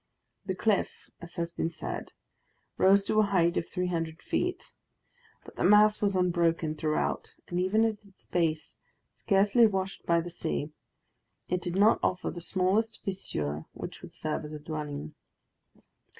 The cliff, as has been said, rose to a height of three hundred feet, but the mass was unbroken throughout, and even at its base, scarcely washed by the sea, it did not offer the smallest fissure which would serve as a dwelling.